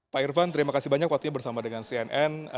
pak irvan terima kasih banyak waktunya bersama dengan cnn